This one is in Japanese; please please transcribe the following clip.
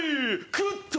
食った！